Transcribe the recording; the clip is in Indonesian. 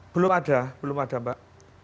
belum ada belum ada mbak